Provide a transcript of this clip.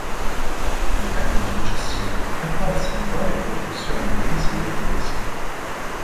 Negli anni successivi è apparsa in varie produzioni televisive tedesche.